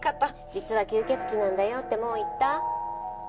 実は吸血鬼なんだよってもう言った？